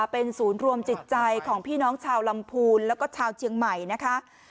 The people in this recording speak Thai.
เป็นศูนย์รวมจิตใจของพี่น้องชาวลำพูนแล้วก็ชาวเชียงใหม่นะคะ